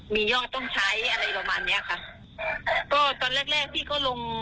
มียอดต้องใช้อะไรประมาณเนี้ยค่ะก็ตอนแรกแรกพี่ก็ลง